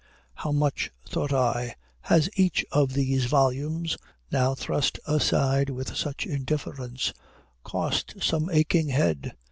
How much, thought I, has each of these volumes, now thrust aside with such indifference, cost some aching head!